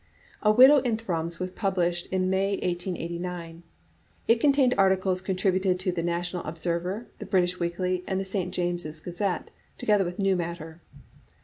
A Window in Thrums" was published in May, 1889. It contained articles contributed to the National Ob server^ The British Weekly^ and the St, James's Gazette^ together with new matter.